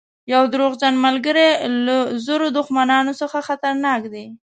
یو دروغجن ملګری له زرو دښمنانو څخه خطرناک دی.